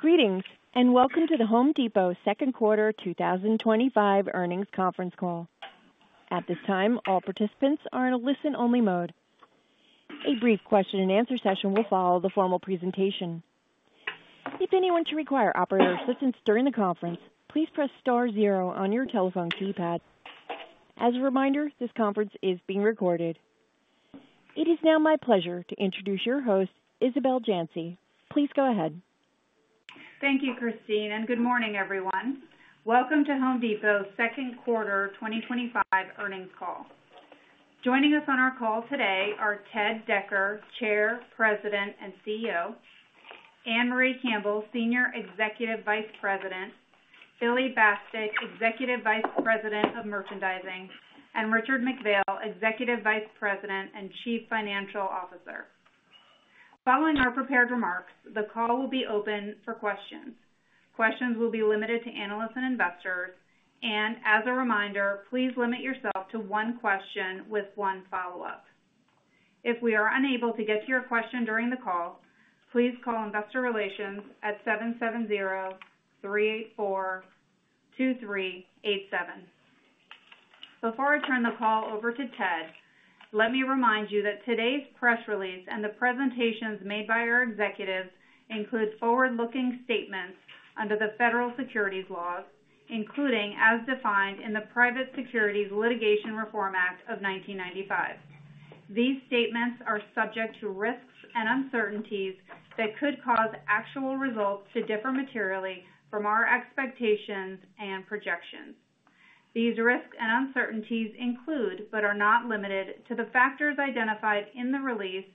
Greetings and welcome to The Home Depot second quarter 2025 earnings conference call. At this time, all participants are in a listen-only mode. A brief question-and-answer session will follow the formal presentation. If anyone should require operator assistance during the conference, please press star zero on your telephone keypad. As a reminder, this conference is being recorded. It is now my pleasure to introduce your host, Isabel Janci. Please go ahead. Thank you, Christine, and good morning, everyone. Welcome to The Home Depot's second quarter 2025 earnings call. Joining us on our call today are Ted Decker, Chair, President and CEO; Ann-Marie Campbell, Senior Executive Vice President; Billy Bastek, Executive Vice President of Merchandising; and Richard McPhail, Executive Vice President and Chief Financial Officer. Following our prepared remarks, the call will be open for questions. Questions will be limited to analysts and investors, and as a reminder, please limit yourself to one question with one follow-up. If we are unable to get to your question during the call, please call Investor Relations at 770-384-2387. Before I turn the call over to Ted, let me remind you that today's press release and the presentations made by our executives include forward-looking statements under the federal securities laws, including as defined in the Private Securities Litigation Reform Act of 1995. These statements are subject to risks and uncertainties that could cause actual results to differ materially from our expectations and projections. These risks and uncertainties include, but are not limited to, the factors identified in the release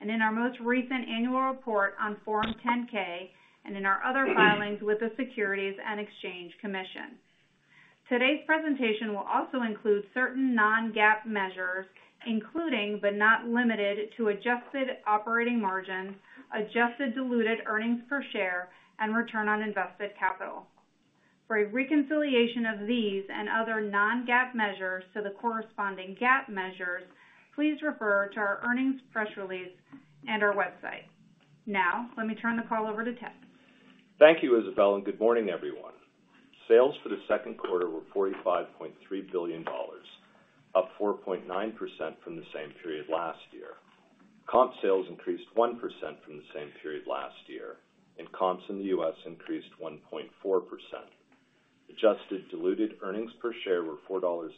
and in our most recent annual report on Form 10-K and in our other filings with the Securities and Exchange Commission. Today's presentation will also include certain non-GAAP measures, including, but not limited to, adjusted operating margins, adjusted diluted EPS, and return on invested capital. For a reconciliation of these and other non-GAAP measures to the corresponding GAAP measures, please refer to our earnings press release and our website. Now, let me turn the call over to Ted. Thank you, Isabel, and good morning, everyone. Sales for the second quarter were $45.3 billion, up 4.9% from the same period last year. Comp sales increased 1% from the same period last year, and comps in the U.S. increased 1.4%. Adjusted diluted EPS were $4.68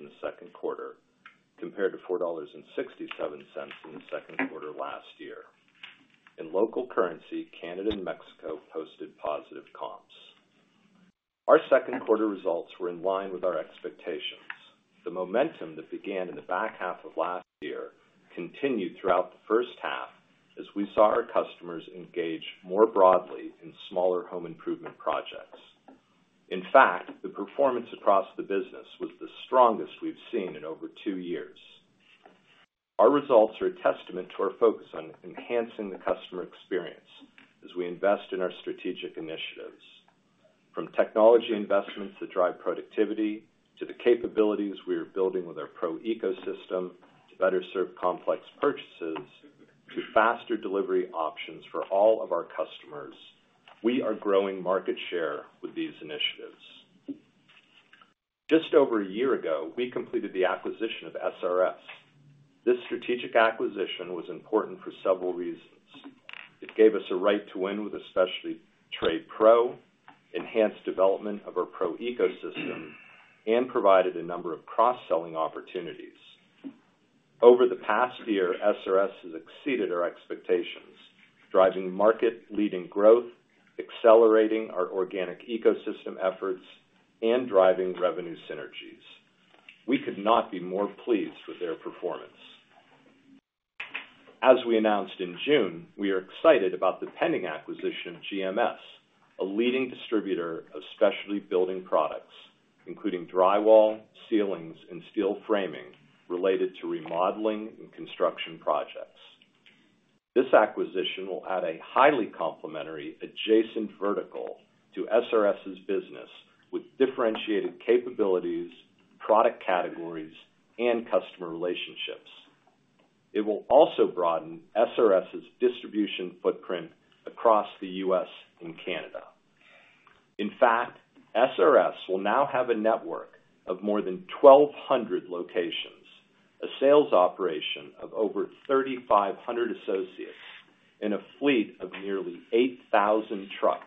in the second quarter, compared to $4.67 in the second quarter last year. In local currency, Canada and Mexico posted positive comps. Our second quarter results were in line with our expectations. The momentum that began in the back half of last year continued throughout the first half as we saw our customers engage more broadly in smaller home improvement projects. In fact, the performance across the business was the strongest we've seen in over two years. Our results are a testament to our focus on enhancing the customer experience as we invest in our strategic initiatives. From technology investments that drive productivity to the capabilities we are building with our pro ecosystem to better serve complex purchases to faster delivery options for all of our customers, we are growing market share with these initiatives. Just over a year ago, we completed the acquisition of SRS Distribution. This strategic acquisition was important for several reasons. It gave us a right to win with especially Trade Pro, enhanced development of our pro ecosystem, and provided a number of cross-selling opportunities. Over the past year, SRS Distribution has exceeded our expectations, driving market-leading growth, accelerating our organic ecosystem efforts, and driving revenue synergies. We could not be more pleased with their performance. As we announced in June, we are excited about the pending acquisition of GMS, Inc., a leading distributor of specialty building products, including drywall, ceilings, and steel framing related to remodeling and construction projects. This acquisition will add a highly complementary adjacent vertical to SRS Distribution's business with differentiated capabilities, product categories, and customer relationships. It will also broaden SRS Distribution's distribution footprint across the U.S. and Canada. In fact, SRS Distribution will now have a network of more than 1,200 locations, a sales operation of over 3,500 associates, and a fleet of nearly 8,000 trucks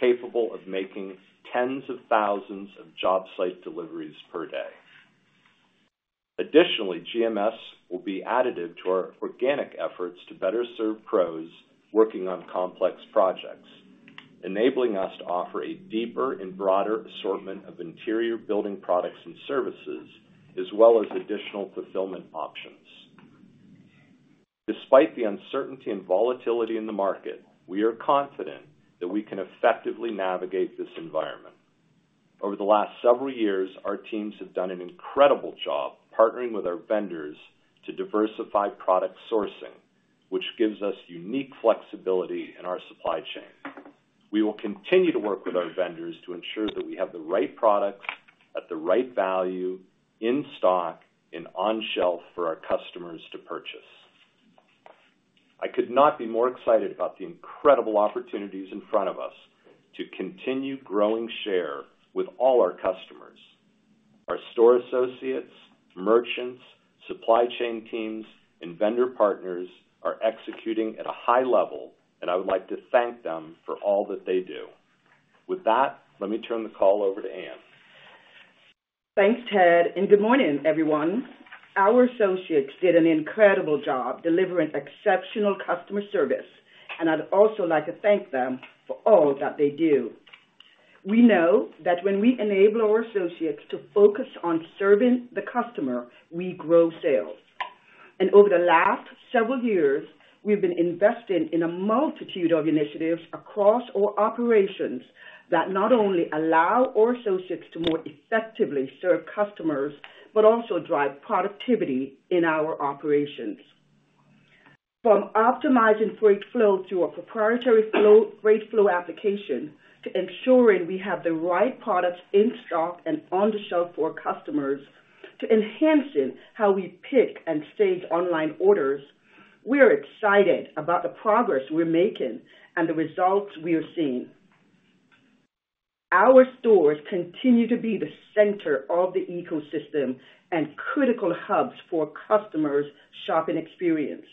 capable of making tens of thousands of job site deliveries per day. Additionally, GMS will be additive to our organic efforts to better serve pros working on complex projects, enabling us to offer a deeper and broader assortment of interior building products and services, as well as additional fulfillment options. Despite the uncertainty and volatility in the market, we are confident that we can effectively navigate this environment. Over the last several years, our teams have done an incredible job partnering with our vendors to diversify product sourcing, which gives us unique flexibility in our supply chain. We will continue to work with our vendors to ensure that we have the right products at the right value, in stock, and on shelf for our customers to purchase. I could not be more excited about the incredible opportunities in front of us to continue growing share with all our customers. Our store associates, merchants, supply chain teams, and vendor partners are executing at a high level, and I would like to thank them for all that they do. With that, let me turn the call over to Ann-Marie Campbell. Thanks, Ted, and good morning, everyone. Our associates did an incredible job delivering exceptional customer service, and I'd also like to thank them for all that they do. We know that when we enable our associates to focus on serving the customer, we grow sales. Over the last several years, we've been investing in a multitude of initiatives across our operations that not only allow our associates to more effectively serve customers, but also drive productivity in our operations. From optimizing freight flow through a proprietary freight flow application to ensuring we have the right products in stock and on the shelf for customers, to enhancing how we pick and stage online orders, we're excited about the progress we're making and the results we are seeing. Our stores continue to be the center of the ecosystem and critical hubs for customers' shopping experience.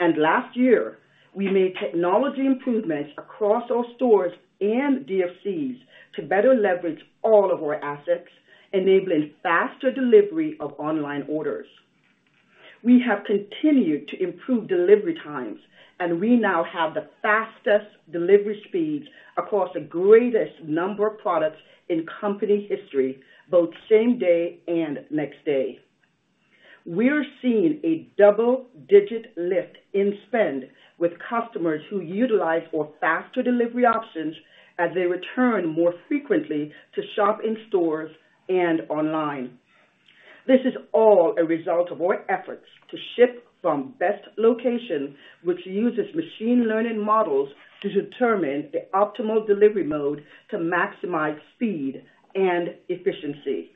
Last year, we made technology improvements across our stores and DFCs to better leverage all of our assets, enabling faster delivery of online orders. We have continued to improve delivery times, and we now have the fastest delivery speeds across the greatest number of products in company history, both same day and next day. We're seeing a double-digit lift in spend with customers who utilize our faster delivery options as they return more frequently to shop in stores and online. This is all a result of our efforts to shift from best location, which uses machine learning models to determine the optimal delivery mode to maximize speed and efficiency.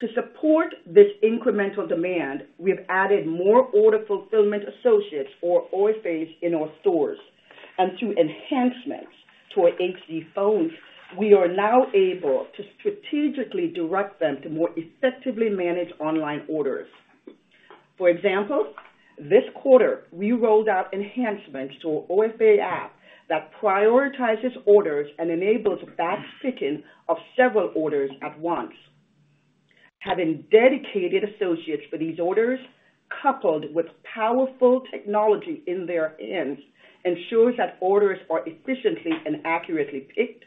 To support this incremental demand, we've added more order fulfillment associates, or OFAs, in our stores. Through enhancements to our HD phones, we are now able to strategically direct them to more effectively manage online orders. For example, this quarter, we rolled out enhancements to our OFA app that prioritizes orders and enables batch picking of several orders at once. Having dedicated associates for these orders, coupled with powerful technology in their hands, ensures that orders are efficiently and accurately picked,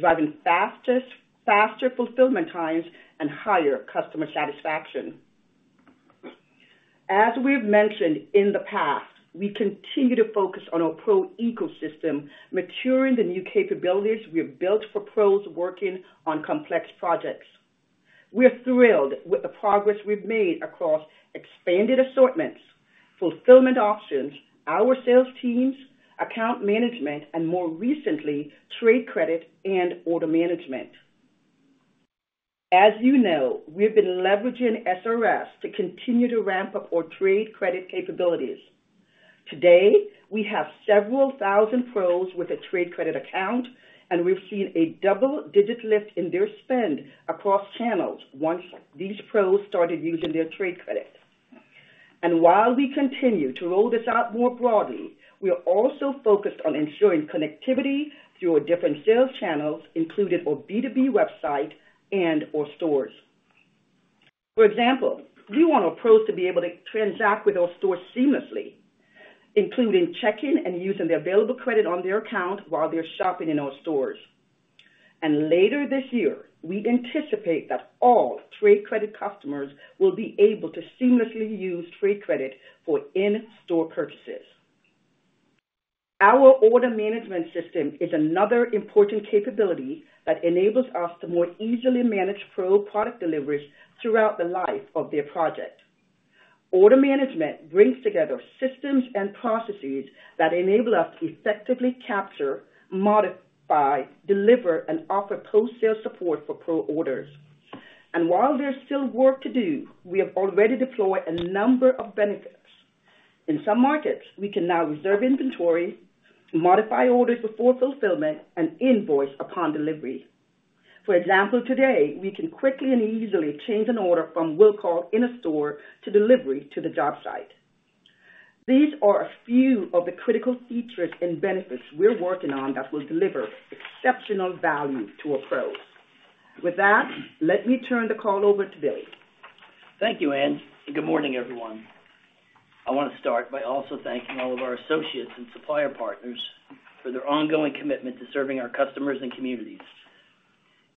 driving faster fulfillment times and higher customer satisfaction. As we've mentioned in the past, we continue to focus on our pro ecosystem, maturing the new capabilities we have built for pros working on complex projects. We're thrilled with the progress we've made across expanded assortments, fulfillment options, our sales teams, account management, and more recently, trade credit and order management. As you know, we've been leveraging SRS Distribution to continue to ramp up our trade credit capabilities. Today, we have several thousand pros with a trade credit account, and we've seen a double-digit lift in their spend across channels once these pros started using their trade credit. While we continue to roll this out more broadly, we are also focused on ensuring connectivity through our different sales channels, including our B2B website and our stores. For example, we want our pros to be able to transact with our stores seamlessly, including checking and using the available credit on their account while they're shopping in our stores. Later this year, we anticipate that all trade credit customers will be able to seamlessly use trade credit for in-store purchases. Our order management system is another important capability that enables us to more easily manage pro product deliveries throughout the life of their project. Order management brings together systems and processes that enable us to effectively capture, modify, deliver, and offer post-sale support for pro orders. While there's still work to do, we have already deployed a number of benefits. In some markets, we can now reserve inventory, modify orders before fulfillment, and invoice upon delivery. For example, today, we can quickly and easily change an order from what we'll call in-store to delivery to the job site. These are a few of the critical features and benefits we're working on that will deliver exceptional value to our pros. With that, let me turn the call over to Billy. Thank you, Ann, and good morning, everyone. I want to start by also thanking all of our associates and supplier partners for their ongoing commitment to serving our customers and communities.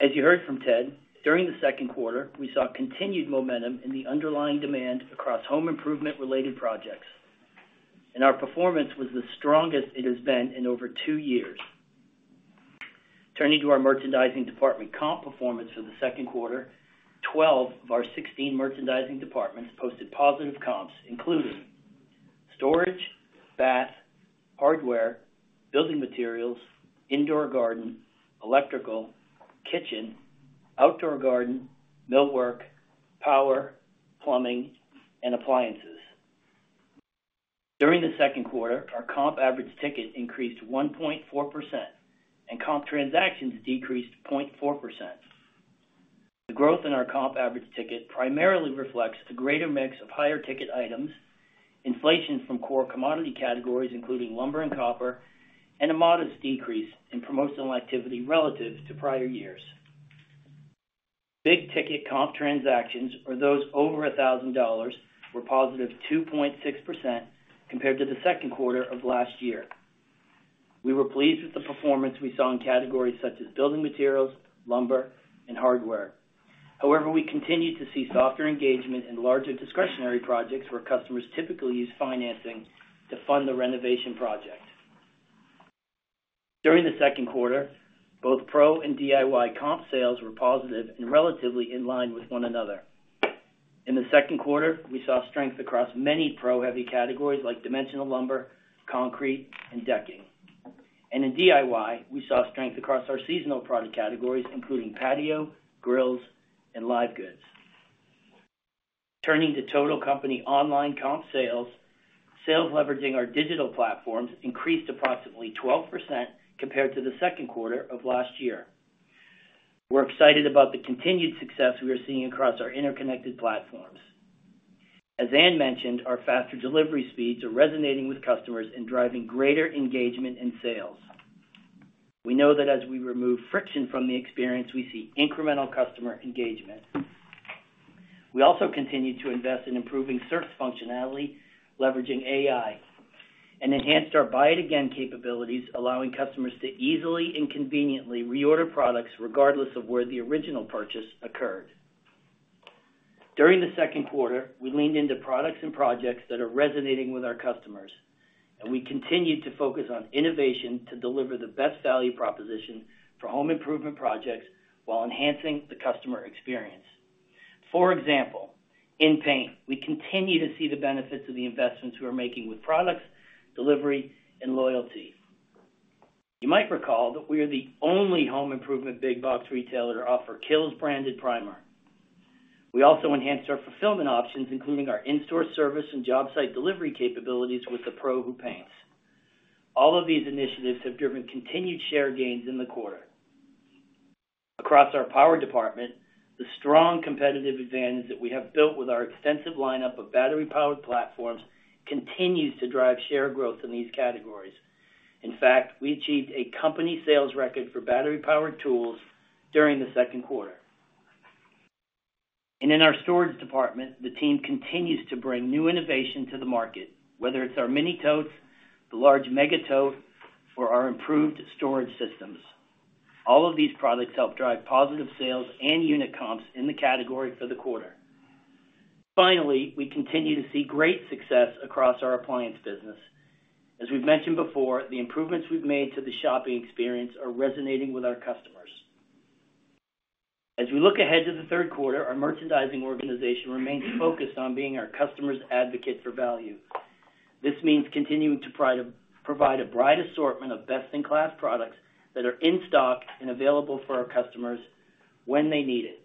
As you heard from Ted, during the second quarter, we saw continued momentum in the underlying demand across home improvement-related projects, and our performance was the strongest it has been in over two years. Turning to our merchandising department comp performance for the second quarter, 12 of our 16 merchandising departments posted positive comps, including storage, bath, hardware, building materials, indoor garden, electrical, kitchen, outdoor garden, millwork, power, plumbing, and appliances. During the second quarter, our comp average ticket increased 1.4%, and comp transactions decreased 0.4%. The growth in our comp average ticket primarily reflects a greater mix of higher ticket items, inflation from core commodity categories, including lumber and copper, and a modest decrease in promotional activity relative to prior years. Big ticket comp transactions, or those over $1,000, were positive 2.6% compared to the second quarter of last year. We were pleased with the performance we saw in categories such as building materials, lumber, and hardware. However, we continued to see softer engagement in larger discretionary projects where customers typically use financing to fund the renovation project. During the second quarter, both pro and DIY comp sales were positive and relatively in line with one another. In the second quarter, we saw strength across many pro-heavy categories like dimensional lumber, concrete, and decking. In DIY, we saw strength across our seasonal product categories, including patio, grills, and live goods. Turning to total company online comp sales, sales leveraging our digital platforms increased approximately 12% compared to the second quarter of last year. We're excited about the continued success we are seeing across our interconnected platforms. As Ann mentioned, our faster delivery speeds are resonating with customers and driving greater engagement in sales. We know that as we remove friction from the experience, we see incremental customer engagement. We also continue to invest in improving search functionality, leveraging AI, and enhanced our buy-it-again capabilities, allowing customers to easily and conveniently reorder products regardless of where the original purchase occurred. During the second quarter, we leaned into products and projects that are resonating with our customers, and we continued to focus on innovation to deliver the best value proposition for home improvement projects while enhancing the customer experience. For example, in paint, we continue to see the benefits of the investments we are making with products, delivery, and loyalty. You might recall that we are the only home improvement big-box retailer to offer KILZ branded primer. We also enhanced our fulfillment options, including our in-store service and job site delivery capabilities with the pro who paints. All of these initiatives have driven continued share gains in the quarter. Across our power department, the strong competitive advantage that we have built with our extensive lineup of battery-powered platforms continues to drive share growth in these categories. In fact, we achieved a company sales record for battery-powered tools during the second quarter. In our storage department, the team continues to bring new innovation to the market, whether it's our mini totes or the large mega tote for our improved storage systems. All of these products help drive positive sales and unit comps in the category for the quarter. Finally, we continue to see great success across our appliance business. As we've mentioned before, the improvements we've made to the shopping experience are resonating with our customers. As we look ahead to the third quarter, our merchandising organization remains focused on being our customer's advocate for value. This means continuing to provide a broad assortment of best-in-class products that are in stock and available for our customers when they need it.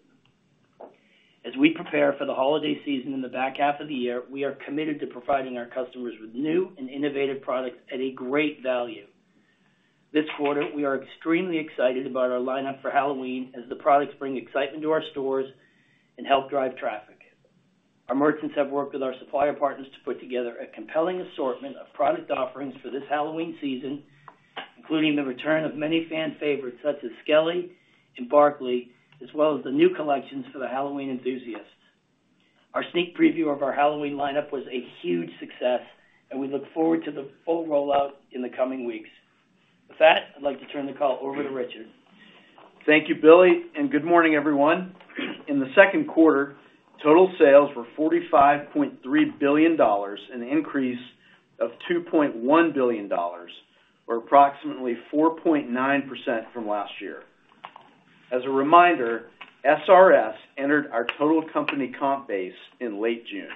As we prepare for the holiday season in the back half of the year, we are committed to providing our customers with new and innovative products at a great value. This quarter, we are extremely excited about our lineup for Halloween, as the products bring excitement to our stores and help drive traffic. Our merchants have worked with our supplier partners to put together a compelling assortment of product offerings for this Halloween season, including the return of many fan favorites such as Skelly and Barkley, as well as the new collections for the Halloween enthusiasts. Our sneak preview of our Halloween lineup was a huge success, and we look forward to the full rollout in the coming weeks. With that, I'd like to turn the call over to Richard. Thank you, Billy, and good morning, everyone. In the second quarter, total sales were $45.3 billion, an increase of $2.1 billion, or approximately 4.9% from last year. As a reminder, SRS Distribution entered our total company comp base in late June.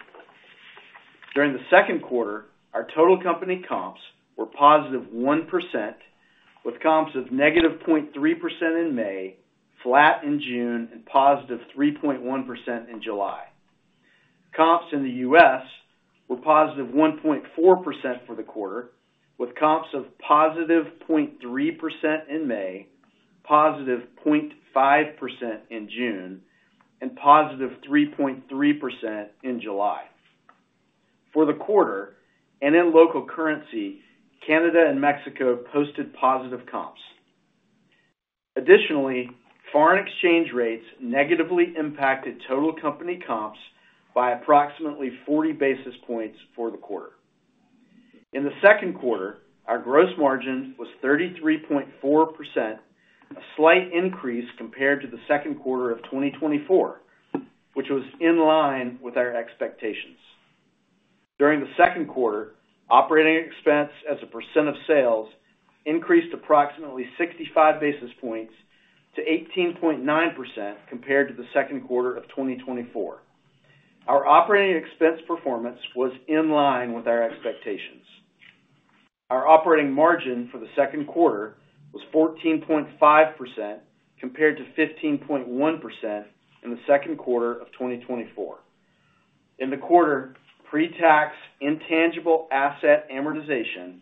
During the second quarter, our total company comps were +1%, with comps of -0.3% in May, flat in June, and +3.1% in July. Comps in the U.S. were +1.4% for the quarter, with comps of +0.3% in May, +0.5% in June, and +3.3% in July. For the quarter, and in local currency, Canada and Mexico posted positive comps. Additionally, foreign exchange rates negatively impacted total company comps by approximately 40 basis points for the quarter. In the second quarter, our gross margins were 33.4%, a slight increase compared to the second quarter of 2024, which was in line with our expectations. During the second quarter, operating expense, as a percent of sales, increased approximately 65 basis points to 18.9% compared to the second quarter of 2024. Our operating expense performance was in line with our expectations. Our operating margin for the second quarter was 14.5% compared to 15.1% in the second quarter of 2024. In the quarter, pre-tax intangible asset amortization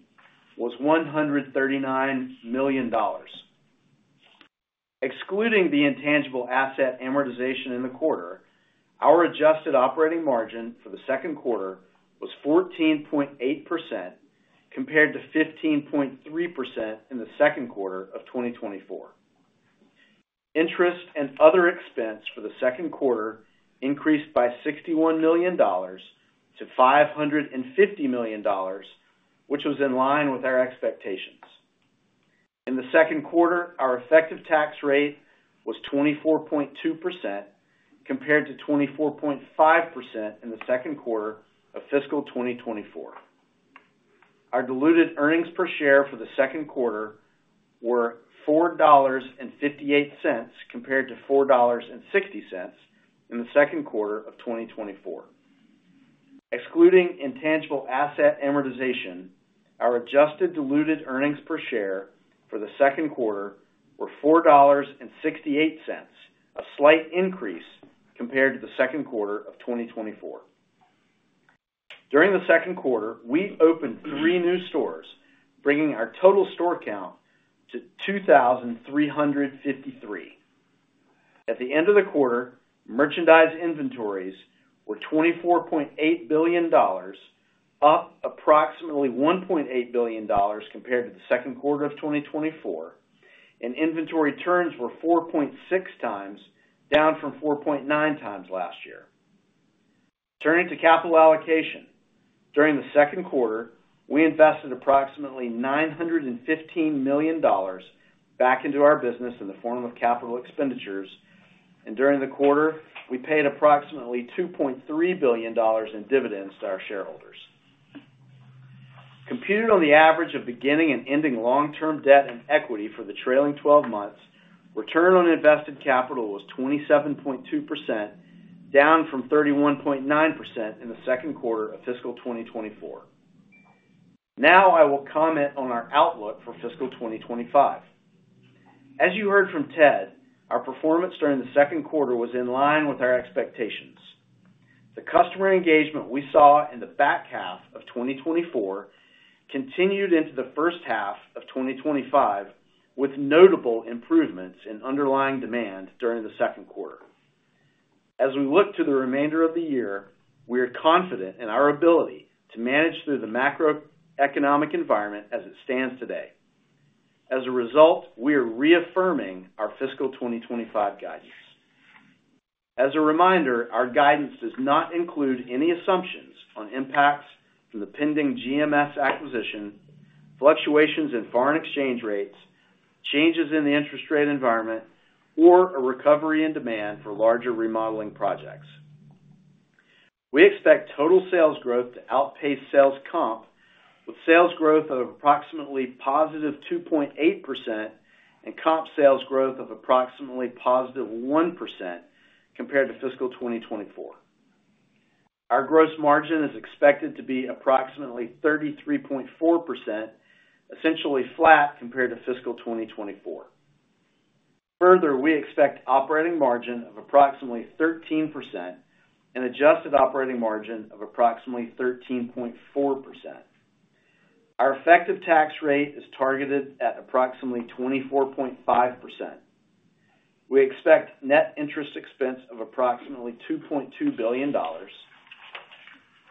was $139 million. Excluding the intangible asset amortization in the quarter, our adjusted operating margin for the second quarter was 14.8% compared to 15.3% in the second quarter of 2024. Interest and other expense for the second quarter increased by $61 million to $550 million, which was in line with our expectations. In the second quarter, our effective tax rate was 24.2% compared to 24.5% in the second quarter of fiscal 2024. Our diluted earnings per share for the second quarter were $4.58 compared to $4.60 in the second quarter of 2024. Excluding intangible asset amortization, our adjusted diluted earnings per share for the second quarter were $4.68, a slight increase compared to the second quarter of 2024. During the second quarter, we opened three new stores, bringing our total store count to 2,353. At the end of the quarter, merchandise inventories were $24.8 billion, up approximately $1.8 billion compared to the second quarter of 2024, and inventory turns were 4.6 times, down from 4.9 times last year. Turning to capital allocation, during the second quarter, we invested approximately $915 million back into our business in the form of capital expenditures, and during the quarter, we paid approximately $2.3 billion in dividends to our shareholders. Computed on the average of beginning and ending long-term debt and equity for the trailing 12 months, return on invested capital was 27.2%, down from 31.9% in the second quarter of fiscal 2024. Now, I will comment on our outlook for fiscal 2025. As you heard from Ted, our performance during the second quarter was in line with our expectations. The customer engagement we saw in the back half of 2024 continued into the first half of 2025, with notable improvements in underlying demand during the second quarter. As we look to the remainder of the year, we are confident in our ability to manage through the macroeconomic environment as it stands today. As a result, we are reaffirming our fiscal 2025 guidance. As a reminder, our guidance does not include any assumptions on impacts from the pending GMS, Inc. acquisition, fluctuations in foreign exchange rates, changes in the interest rate environment, or a recovery in demand for larger remodeling projects. We expect total sales growth to outpace comp sales, with sales growth of approximately +2.8% and comp sales growth of approximately +1% compared to fiscal 2024. Our gross margin is expected to be approximately 33.4%, essentially flat compared to fiscal 2024. Further, we expect an operating margin of approximately 13% and an adjusted operating margin of approximately 13.4%. Our effective tax rate is targeted at approximately 24.5%. We expect net interest expense of approximately $2.2 billion.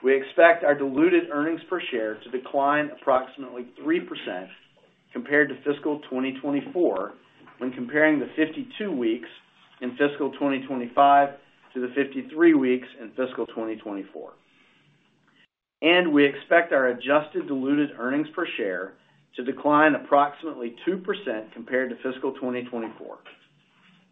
We expect our diluted earnings per share to decline approximately 3% compared to fiscal 2024 when comparing the 52 weeks in fiscal 2025 to the 53 weeks in fiscal 2024. We expect our adjusted diluted earnings per share to decline approximately 2% compared to fiscal 2024.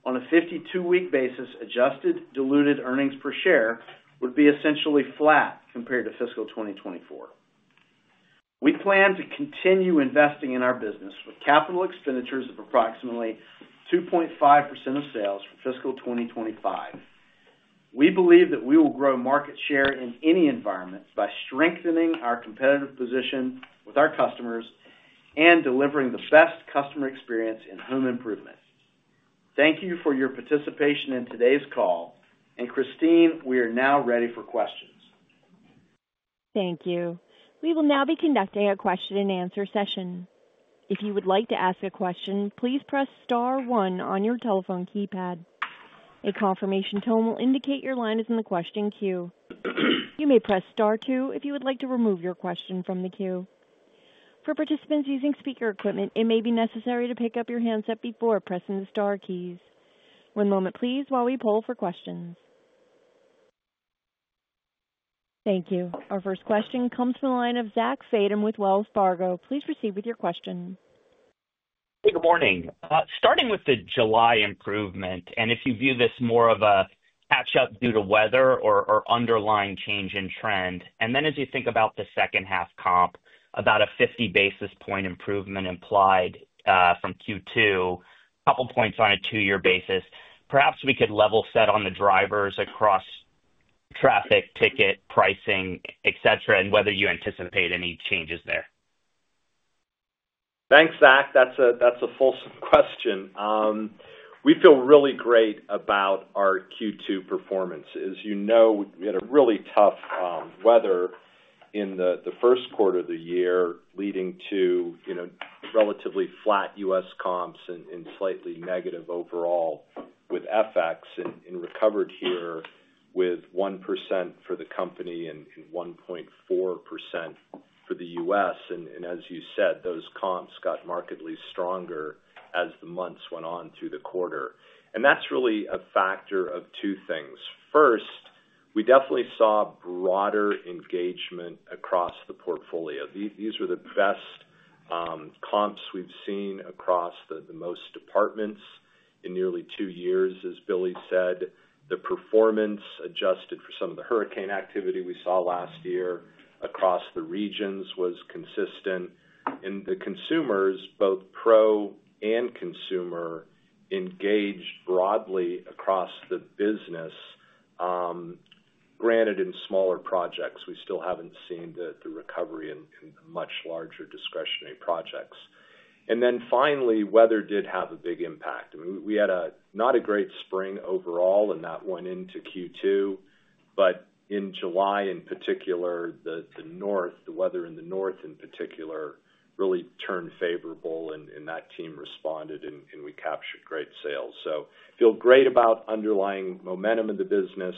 On a 52-week basis, adjusted diluted earnings per share would be essentially flat compared to fiscal 2024. We plan to continue investing in our business with capital expenditures of approximately 2.5% of sales for fiscal 2025. We believe that we will grow market share in any environment by strengthening our competitive position with our customers and delivering the best customer experience in home improvement. Thank you for your participation in today's call. Christine, we are now ready for questions. Thank you. We will now be conducting a question-and-answer session. If you would like to ask a question, please press star one on your telephone keypad. A confirmation tone will indicate your line is in the question queue. You may press star two if you would like to remove your question from the queue. For participants using speaker equipment, it may be necessary to pick up your handset before pressing the star keys. One moment, please, while we pull for questions. Thank you. Our first question comes from the line of Zach Fadem with Wells Fargo. Please proceed with your question. Hey, good morning. Starting with the July improvement, if you view this more as a catch-up due to weather or underlying change in trend, as you think about the second half comp, about a 50 basis point improvement implied from Q2, a couple of points on a two-year basis, perhaps we could level set on the drivers across traffic, ticket, pricing, et cetera, and whether you anticipate any changes there. Thanks, Zach. That's a fulsome question. We feel really great about our Q2 performance. As you know, we had a really tough weather in the first quarter of the year, leading to relatively flat U.S. comps and slightly negative overall with FX and recovered here with 1% for the company and 1.4% for the U.S. As you said, those comps got markedly stronger as the months went on through the quarter. That's really a factor of two things. First, we definitely saw broader engagement across the portfolio. These were the best comps we've seen across the most departments in nearly two years. As Billy Bastek said, the performance adjusted for some of the hurricane activity we saw last year across the regions was consistent. The consumers, both pro and consumer, engaged broadly across the business. Granted, in smaller projects, we still haven't seen the recovery in the much larger discretionary projects. Finally, weather did have a big impact. I mean, we had not a great spring overall, and that went into Q2. In July, in particular, the weather in the north in particular really turned favorable, and that team responded, and we captured great sales. I feel great about underlying momentum in the business,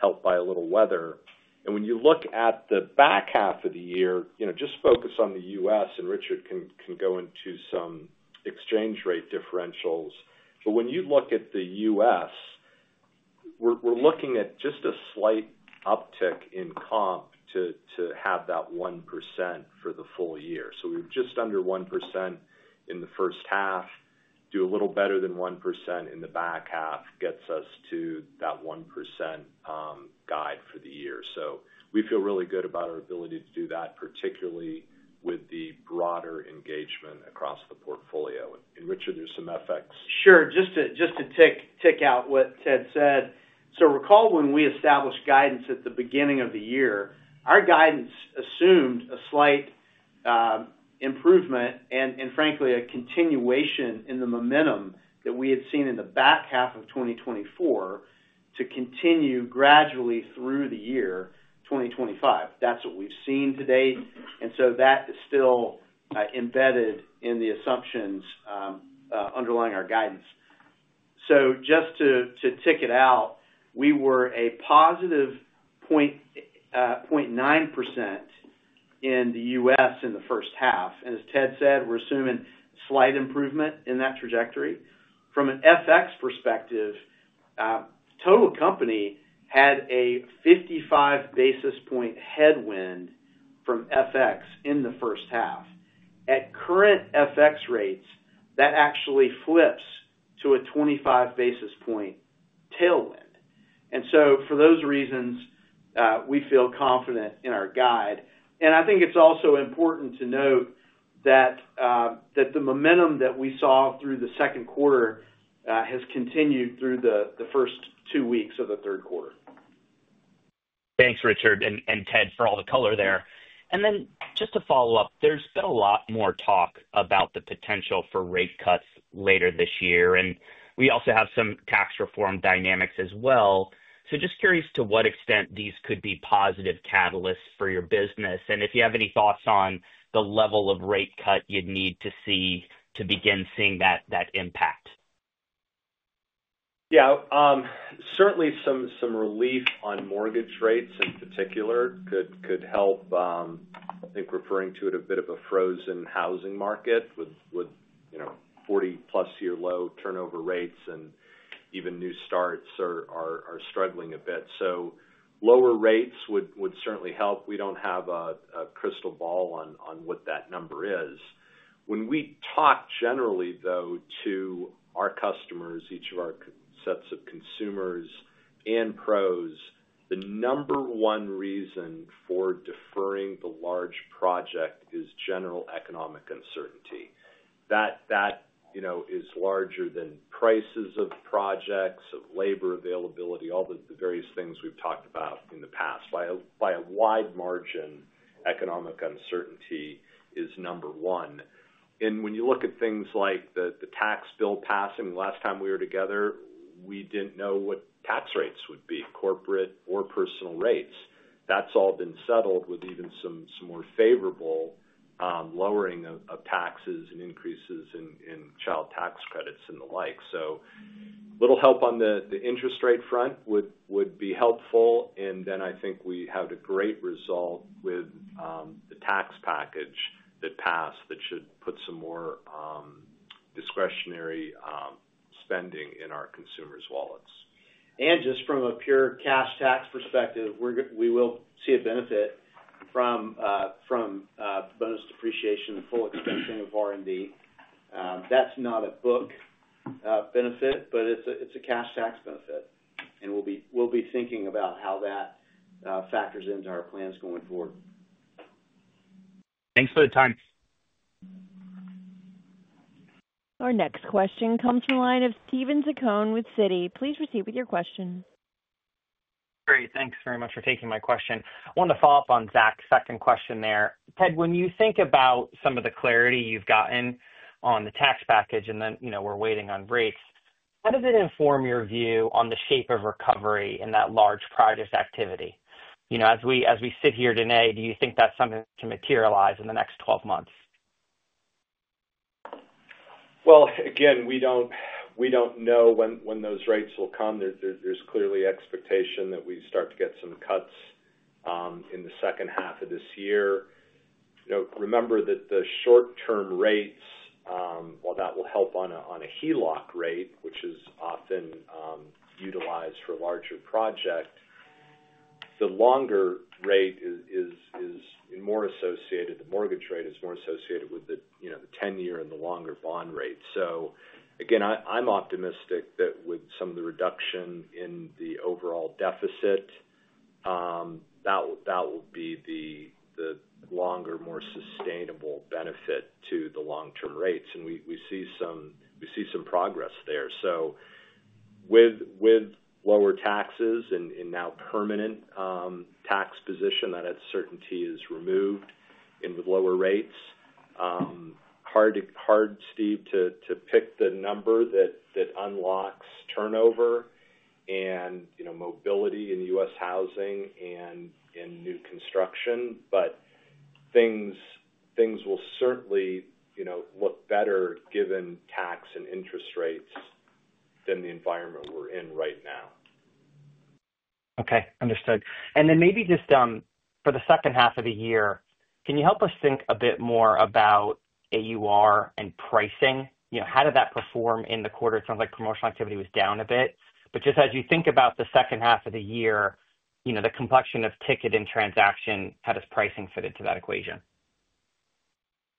helped by a little weather. When you look at the back half of the year, just focus on the U.S., and Richard McPhail can go into some exchange rate differentials. When you look at the U.S., we're looking at just a slight uptick in comp to have that 1% for the full year. We were just under 1% in the first half, do a little better than 1% in the back half, gets us to that 1% guide for the year. We feel really good about our ability to do that, particularly with the broader engagement across the portfolio. Richard, there's some FX. Sure, just to tick out what Ted said. Recall when we established guidance at the beginning of the year, our guidance assumed a slight improvement and frankly a continuation in the momentum that we had seen in the back half of 2024 to continue gradually through the year 2025. That's what we've seen to date, and that is still embedded in the assumptions underlying our guidance. Just to tick it out, we were a +0.9% in the U.S. in the first half. As Ted said, we're assuming slight improvement in that trajectory. From an FX perspective, total company had a 55 basis point headwind from FX in the first half. At current FX rates, that actually flips to a 25 basis point tailwind. For those reasons, we feel confident in our guide. I think it's also important to note that the momentum that we saw through the second quarter has continued through the first two weeks of the third quarter. Thanks, Richard and Ted, for all the color there. Just to follow up, there's been a lot more talk about the potential for rate cuts later this year. We also have some tax reform dynamics as well. I'm just curious to what extent these could be positive catalysts for your business, and if you have any thoughts on the level of rate cut you'd need to see to begin seeing that impact. Yeah, certainly some relief on mortgage rates in particular could help. I think referring to it as a bit of a frozen housing market with 40+ year low turnover rates and even new starts are struggling a bit. Lower rates would certainly help. We don't have a crystal ball on what that number is. When we talk generally to our customers, each of our sets of consumers and pros, the number one reason for deferring the large project is general economic uncertainty. That is larger than prices of projects, of labor availability, all the various things we've talked about in the past. By a wide margin, economic uncertainty is number one. When you look at things like the tax bill passing the last time we were together, we didn't know what tax rates would be, corporate or personal rates. That's all been settled with even some more favorable lowering of taxes and increases in child tax credits and the like. A little help on the interest rate front would be helpful. I think we had a great result with the tax package that passed that should put some more discretionary spending in our consumers' wallets. From a pure cash tax perspective, we will see a benefit from bonus depreciation, the full extension of R&D. That is not a book benefit, but it is a cash tax benefit. We will be thinking about how that factors into our plans going forward. Thanks for the time. Our next question comes from a line of Steven Zaccone with Citi. Please proceed with your question. Great. Thanks very much for taking my question. I want to follow up on Zach's second question there. Ted, when you think about some of the clarity you've gotten on the tax package and then, you know, we're waiting on rates, how does it inform your view on the shape of recovery in that large project activity? You know, as we sit here today, do you think that's something to materialize in the next 12 months? Again, we don't know when those rates will come. There's clearly expectation that we start to get some cuts in the second half of this year. You know, remember that the short-term rates, while that will help on a HELOC rate, which is often utilized for a larger project, the longer rate is more associated, the mortgage rate is more associated with the 10-year and the longer bond rate. I'm optimistic that with some of the reduction in the overall deficit, that will be the longer, more sustainable benefit to the long-term rates. We see some progress there. With lower taxes and now a permanent tax position, that uncertainty is removed. With lower rates, it's hard, Steve, to pick the number that unlocks turnover and mobility in U.S. housing and new construction. Things will certainly look better given tax and interest rates than the environment we're in right now. Okay, understood. Maybe just for the second half of the year, can you help us think a bit more about AUR and pricing? How did that perform in the quarter? It sounds like promotional activity was down a bit. Just as you think about the second half of the year, the complexion of ticket and transaction, how does pricing fit into that equation?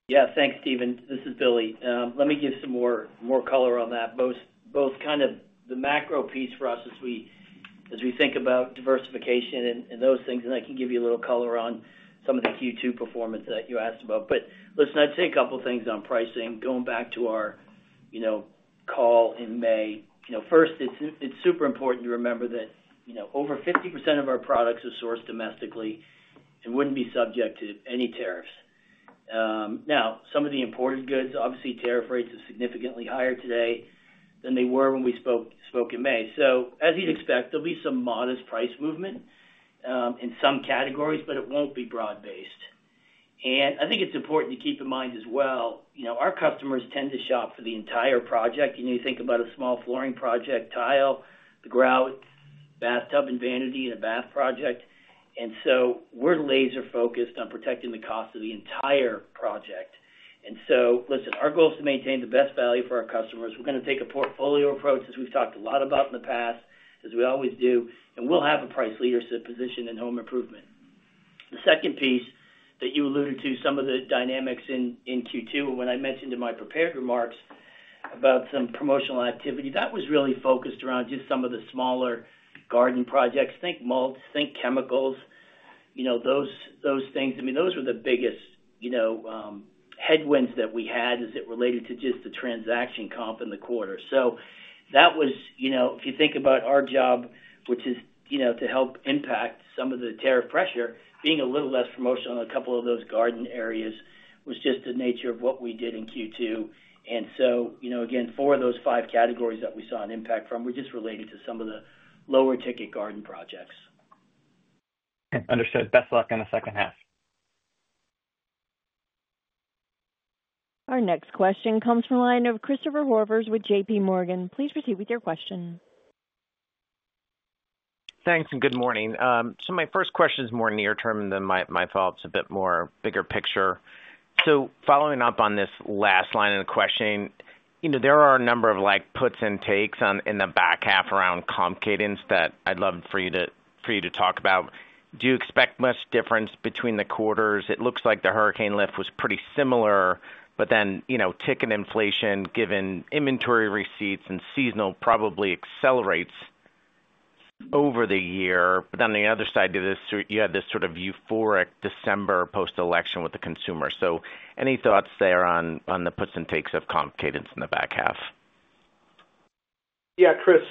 Yeah, thanks, Steven. This is Billy. Let me give some more color on that. Both kind of the macro piece for us as we think about diversification and those things. I can give you a little color on some of the Q2 performance that you asked about. I'd say a couple of things on pricing. Going back to our, you know, call in May, first, it's super important to remember that over 50% of our products are sourced domestically and wouldn't be subject to any tariffs. Now, some of the imported goods, obviously, tariff rates are significantly higher today than they were when we spoke in May. As you'd expect, there'll be some modest price movement in some categories, but it won't be broad-based. I think it's important to keep in mind as well, our customers tend to shop for the entire project. You think about a small flooring project, tile, the grout, bathtub, and vanity in a bath project. We're laser-focused on protecting the cost of the entire project. Our goal is to maintain the best value for our customers. We're going to take a portfolio approach, as we've talked a lot about in the past, as we always do. We'll have a price leadership position in home improvement. The second piece that you alluded to, some of the dynamics in Q2, when I mentioned in my prepared remarks about some promotional activity, that was really focused around just some of the smaller garden projects. Think mulch, think chemicals, those things. Those were the biggest headwinds that we had as it related to just the transaction comp in the quarter. If you think about our job, which is to help impact some of the tariff pressure, being a little less promotional in a couple of those garden areas was just the nature of what we did in Q2. For those five categories that we saw an impact from, we just related to some of the lower ticket garden projects. Understood. Best luck in the second half. Our next question comes from a line of Christopher Horvers with J.P. Morgan. Please proceed with your question. Thanks, and good morning. My first question is more near-term and then my follow-up's a bit more bigger picture. Following up on this last line of the question, there are a number of puts and takes in the back half around comp cadence that I'd love for you to talk about. Do you expect much difference between the quarters? It looks like the hurricane lift was pretty similar, but then, ticket inflation, given inventory receipts and seasonal, probably accelerates over the year. On the other side of this, you had this sort of euphoric December post-election with the consumer. Any thoughts there on the puts and takes of comp cadence in the back half? Yeah, Chris,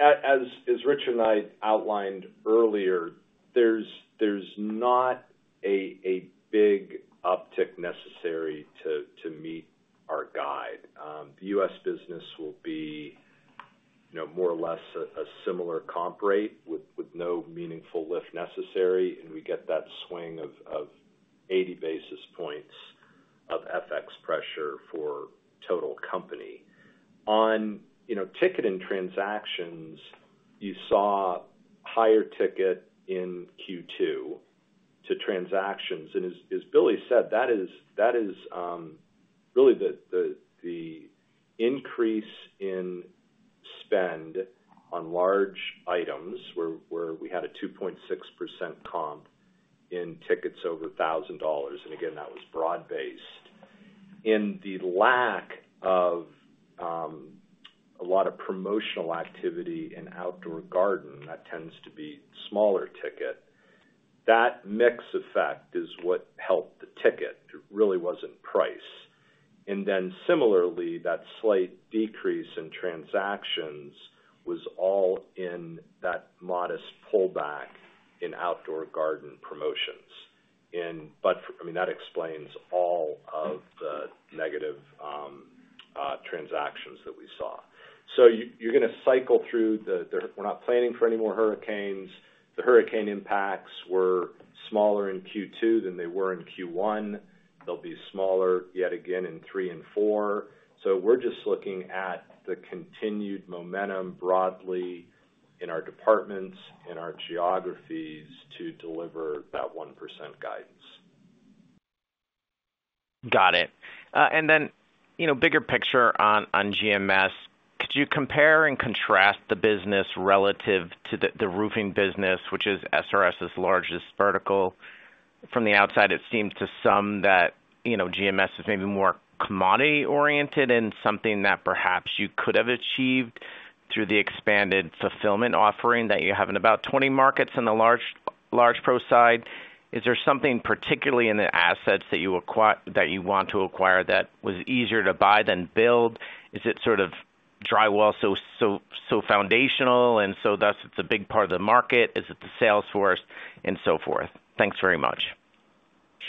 as Richard and I outlined earlier, there's not a big uptick necessary to meet our guide. The U.S. business will be, you know, more or less a similar comp rate with no meaningful lift necessary. We get that swing of 80 basis points of FX pressure for total company. On, you know, ticket and transactions, you saw a higher ticket in Q2 to transactions. As Billy said, that is really the increase in spend on large items where we had a 2.6% comp in tickets over $1,000. Again, that was broad-based. The lack of a lot of promotional activity in outdoor garden, that tends to be a smaller ticket. That mix effect is what helped the ticket. It really wasn't price. Similarly, that slight decrease in transactions was all in that modest pullback in outdoor garden promotions. That explains all of the negative transactions that we saw. You're going to cycle through the, we're not planning for any more hurricanes. The hurricane impacts were smaller in Q2 than they were in Q1. They'll be smaller yet again in Q3 and Q4. We're just looking at the continued momentum broadly in our departments, in our geographies to deliver that 1% guidance. Got it. You know, bigger picture on GMS, could you compare and contrast the business relative to the roofing business, which is SRS Distribution's largest vertical? From the outside, it seems to some that GMS is maybe more commodity-oriented and something that perhaps you could have achieved through the expanded fulfillment offering that you have in about 20 markets on the large pro side. Is there something particularly in the assets that you want to acquire that was easier to buy than build? Is it sort of drywall so foundational and thus it's a big part of the market? Is it the sales force and so forth? Thanks very much.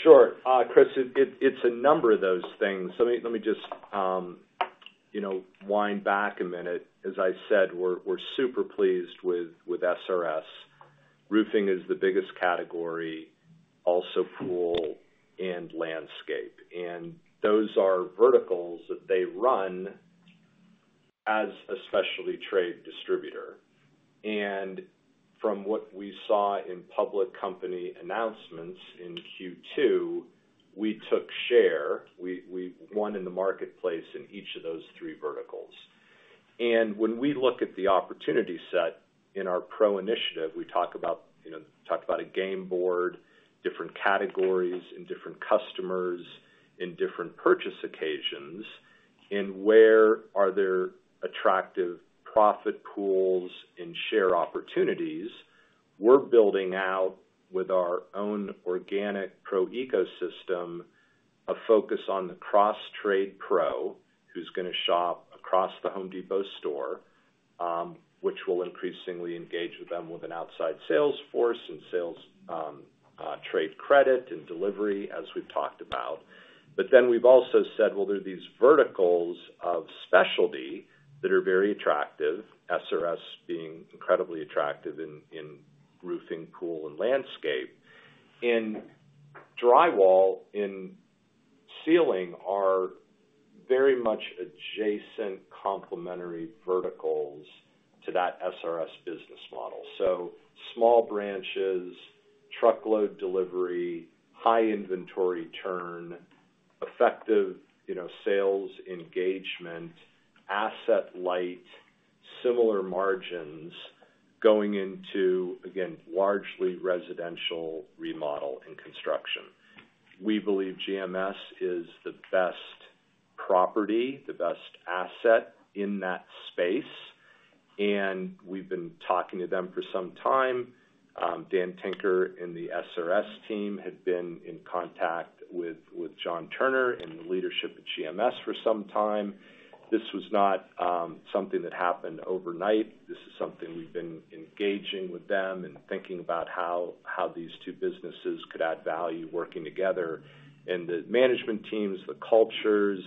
Sure, Chris, it's a number of those things. Let me just wind back a minute. As I said, we're super pleased with SRS. Roofing is the biggest category, also pool and landscape. Those are verticals that they run as a specialty trade distributor. From what we saw in public company announcements in Q2, we took share. We won in the marketplace in each of those three verticals. When we look at the opportunity set in our pro initiative, we talk about a game board, different categories and different customers in different purchase occasions, and where there are attractive profit pools and share opportunities. We're building out with our own organic pro ecosystem a focus on the cross-trade pro, who's going to shop across The Home Depot store, which will increasingly engage with them with an outside sales force and sales trade credit and delivery, as we've talked about. We've also said there are these verticals of specialty that are very attractive, SRS being incredibly attractive in roofing, pool, and landscape. Drywall and ceiling are very much adjacent complementary verticals to that SRS business model. Small branches, truckload delivery, high inventory turn, effective sales engagement, asset light, similar margins going into, again, largely residential remodel and construction. We believe GMS is the best property, the best asset in that space. We've been talking to them for some time. Dan Tinker and the SRS team had been in contact with John Turner and the leadership at GMS for some time. This was not something that happened overnight. This is something we've been engaging with them and thinking about how these two businesses could add value working together. The management teams, the cultures,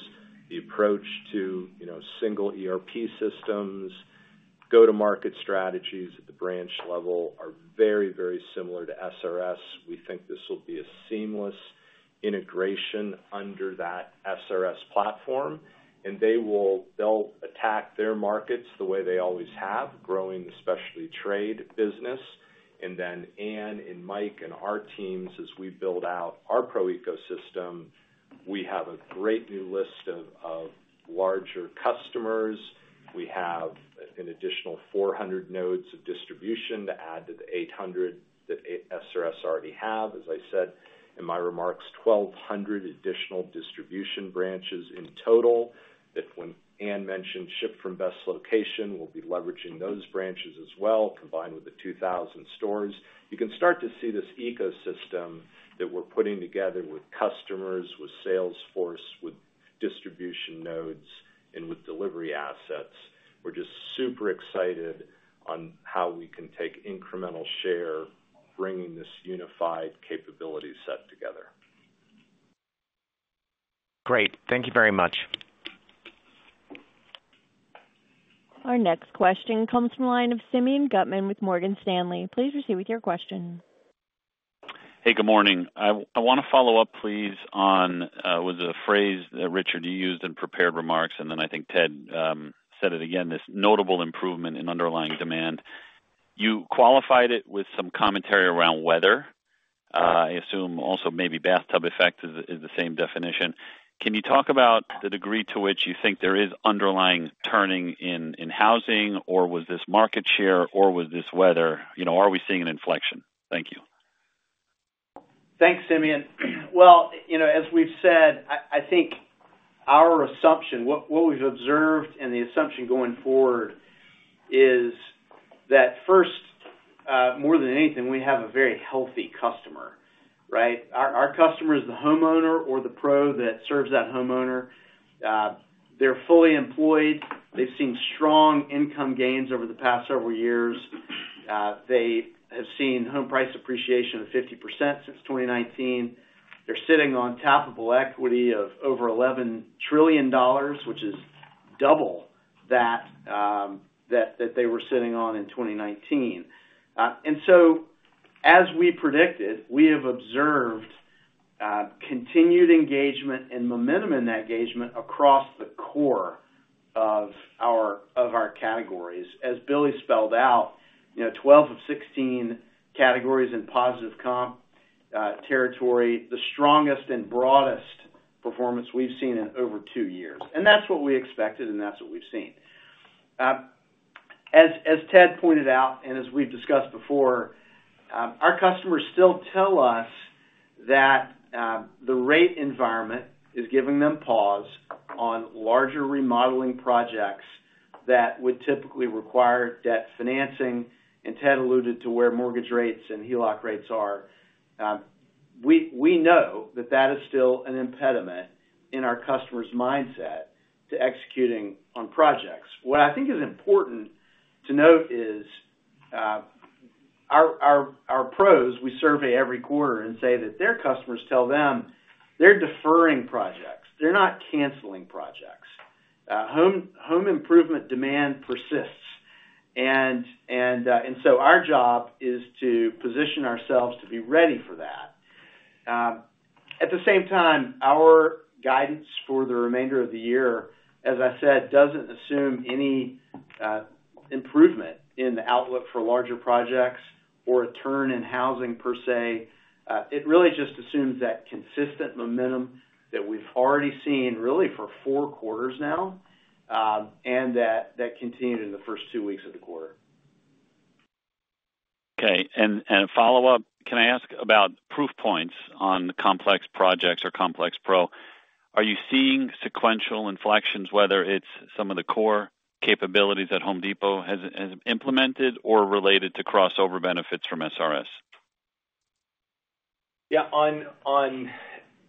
the approach to single ERP systems, go-to-market strategies at the branch level are very, very similar to SRS. We think this will be a seamless integration under that SRS platform. They will attack their markets the way they always have, growing the specialty trade business. Ann and Mike and our teams, as we build out our pro ecosystem, we have a great new list of larger customers. We have an additional 400 nodes of distribution to add to the 800 that SRS already have. As I said in my remarks, 1,200 additional distribution branches in total. If when Ann mentioned ship from best location, we'll be leveraging those branches as well, combined with the 2,000 stores. You can start to see this ecosystem that we're putting together with customers, with sales force, with distribution nodes, and with delivery assets. We're just super excited on how we can take incremental share, bringing this unified capability set together. Great, thank you very much. Our next question comes from a line of Simeon Gutman with Morgan Stanley. Please proceed with your question. Hey, good morning. I want to follow up, please, on, was it a phrase that Richard, you used in prepared remarks? Then I think Ted said it again, this notable improvement in underlying demand. You qualified it with some commentary around weather. I assume also maybe bathtub effect is the same definition. Can you talk about the degree to which you think there is underlying turning in housing, or was this market share, or was this weather? You know, are we seeing an inflection? Thank you. Thanks, Simeon. As we've said, I think our assumption, what we've observed and the assumption going forward is that first, more than anything, we have a very healthy customer, right? Our customer is the homeowner or the pro that serves that homeowner. They're fully employed. They've seen strong income gains over the past several years. They have seen home price appreciation of 50% since 2019. They're sitting on tappable equity of over $11 trillion, which is double what they were sitting on in 2019. As we predicted, we have observed continued engagement and momentum in that engagement across the core of our categories. As Billy spelled out, 12 of 16 categories are in positive comp territory, the strongest and broadest performance we've seen in over two years. That's what we expected, and that's what we've seen. As Ted pointed out, and as we've discussed before, our customers still tell us that the rate environment is giving them pause on larger remodeling projects that would typically require debt financing. Ted alluded to where mortgage rates and HELOC rates are. We know that is still an impediment in our customers' mindset to executing on projects. What I think is important to note is our pros, we survey every quarter and they say that their customers tell them they're deferring projects. They're not canceling projects. Home improvement demand persists. Our job is to position ourselves to be ready for that. At the same time, our guidance for the remainder of the year, as I said, doesn't assume any improvement in the outlook for larger projects or a turn in housing per se. It really just assumes that consistent momentum that we've already seen for four quarters now and that continued in the first two weeks of the quarter. Okay. A follow-up, can I ask about proof points on complex projects or complex pro? Are you seeing sequential inflections, whether it's some of the core capabilities that The Home Depot has implemented or related to crossover benefits from SRS Distribution? Yeah, on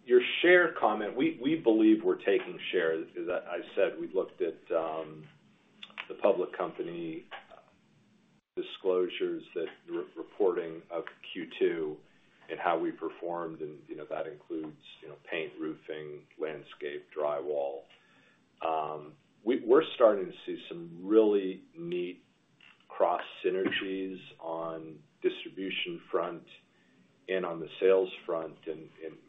your share comment, we believe we're taking share. As I've said, we looked at the public company disclosures that are reporting for Q2 and how we performed, and you know that includes paint, roofing, landscape, drywall. We're starting to see some really neat cross synergies on the distribution front and on the sales front.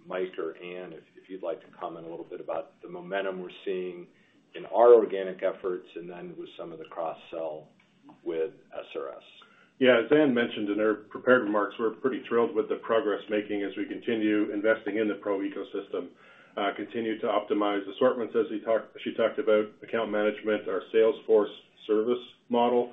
Mike or Ann-Marie, if you'd like to comment a little bit about the momentum we're seeing in our organic efforts and then with some of the cross-sell with SRS Distribution. Yeah, as Ann-Marie Campbell mentioned in her prepared remarks, we're pretty thrilled with the progress making as we continue investing in the pro ecosystem, continue to optimize assortments as she talked about account management, our sales force service model,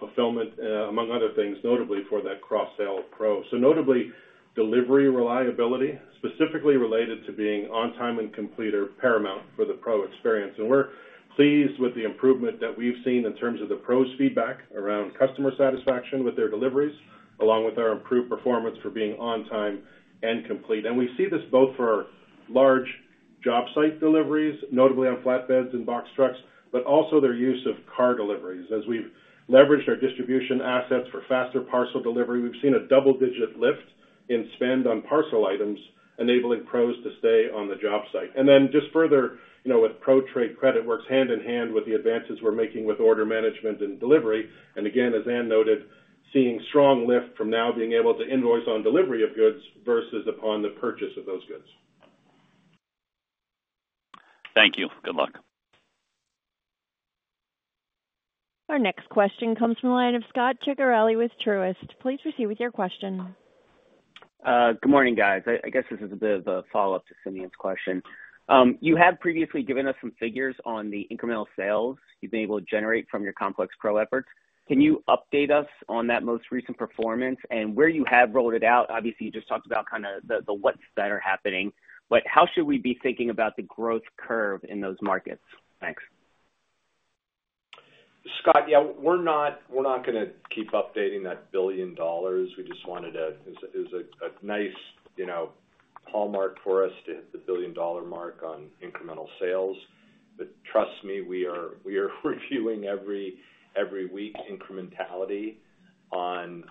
fulfillment, among other things, notably for that cross-sale pro. Notably, delivery reliability, specifically related to being on time and complete, are paramount for the pro experience. We're pleased with the improvement that we've seen in terms of the pros' feedback around customer satisfaction with their deliveries, along with our improved performance for being on time and complete. We see this both for our large job site deliveries, notably on flatbeds and box trucks, but also their use of car deliveries. As we've leveraged our distribution assets for faster parcel delivery, we've seen a double-digit lift in spend on parcel items, enabling pros to stay on the job site. Further, you know, with pro trade credit works hand in hand with the advances we're making with order management and delivery. As Ann-Marie Campbell noted, seeing strong lift from now being able to invoice on delivery of goods versus upon the purchase of those goods. Thank you. Good luck. Our next question comes from a line of Scot Ciccarelli with Truist. Please proceed with your question. Good morning, guys. I guess this is a bit of a follow-up to Simeon's question. You have previously given us some figures on the incremental sales you've been able to generate from your complex pro efforts. Can you update us on that most recent performance and where you have rolled it out? Obviously, you just talked about kind of the what's better happening, but how should we be thinking about the growth curve in those markets? Thanks. Scott, yeah, we're not going to keep updating that billion dollars. We just wanted to, it was a nice, you know, hallmark for us to hit the billion dollar mark on incremental sales. Trust me, we are reviewing every week incrementality on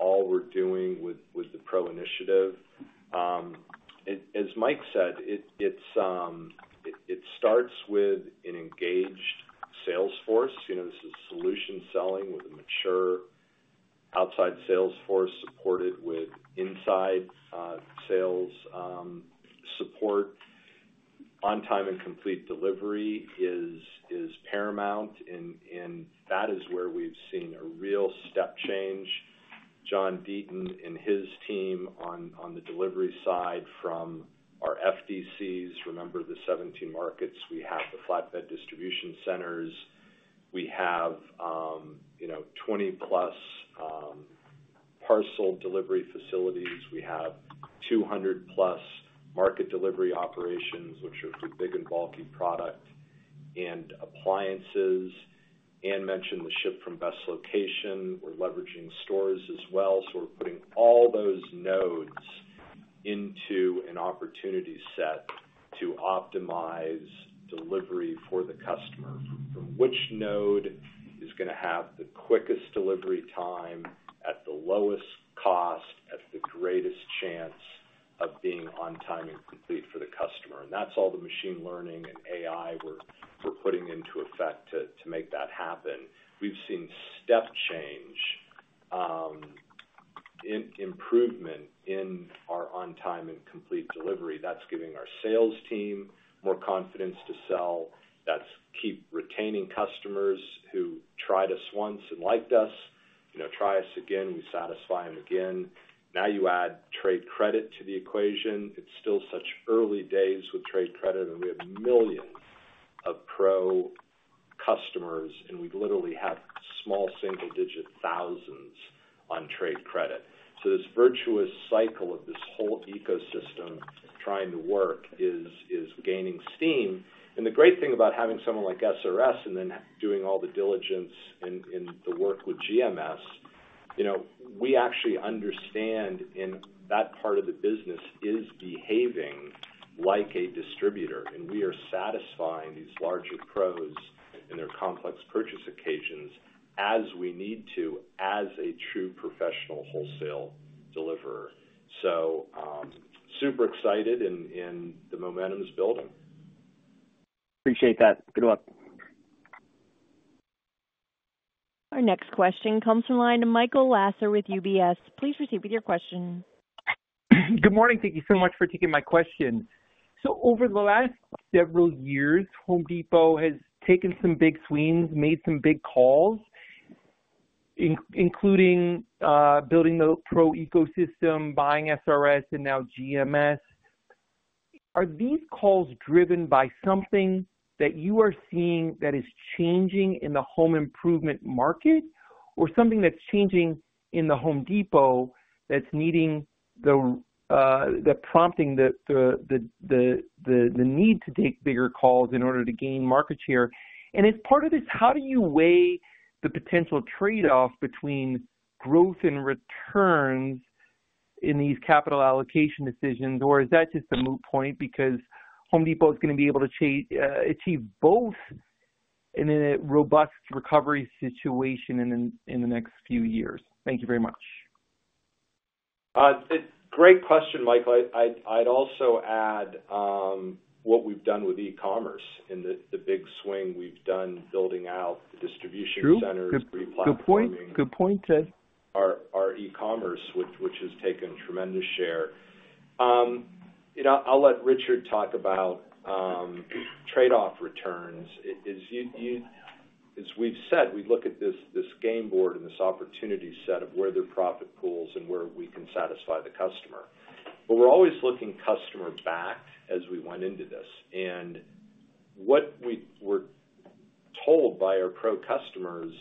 all we're doing with the pro initiative. As Mike said, it starts with an engaged sales force. This is solution selling with a mature outside sales force supported with inside sales support. On time and complete delivery is paramount, and that is where we've seen a real step change. John Deaton and his team on the delivery side from our FDCs, remember the 17 markets, we have the flatbed distribution centers. We have 20+ parcel delivery facilities. We have 200+ market delivery operations, which are the big and bulky product and appliances. Ann mentioned the ship from best location. We're leveraging stores as well. We're putting all those nodes into an opportunity set to optimize delivery for the customer, from which node is going to have the quickest delivery time at the lowest cost, at the greatest chance of being on time and complete for the customer. That is all the machine learning and AI we're putting into effect to make that happen. We've seen step change in improvement in our on time and complete delivery. That's giving our sales team more confidence to sell. That's keeping and retaining customers who tried us once and liked us, try us again. We satisfy them again. Now you add trade credit to the equation. It's still such early days with trade credit, and we have millions of pro customers, and we literally have small single-digit thousands on trade credit. This virtuous cycle of this whole ecosystem trying to work is gaining steam. The great thing about having someone like SRS and then doing all the diligence and the work with GMS, we actually understand that part of the business is behaving like a distributor, and we are satisfying these larger pros in their complex purchase occasions as we need to as a true professional wholesale deliverer. Super excited, and the momentum is building. Appreciate that. Good luck. Our next question comes from a line of Michael Lasser with UBS. Please proceed with your question. Good morning. Thank you so much for taking my question. Over the last several years, The Home Depot has taken some big swings, made some big calls, including building the pro ecosystem, buying SRS Distribution, and now GMS, Inc. Are these calls driven by something that you are seeing that is changing in the home improvement market or something that's changing in The Home Depot that's prompting the need to take bigger calls in order to gain market share? As part of this, how do you weigh the potential trade-off between growth and returns in these capital allocation decisions, or is that just a moot point because The Home Depot is going to be able to achieve both in a robust recovery situation in the next few years? Thank you very much. Great question, Michael. I'd also add what we've done with e-commerce in the big swing we've done building out the distribution centers to be flexible. Good point, good point, Ted. Our e-commerce, which has taken tremendous share. I'll let Richard talk about trade-off returns. As we've said, we look at this game board and this opportunity set of where there are profit pools and where we can satisfy the customer. We're always looking customer back as we went into this. What we were told by our pro customers,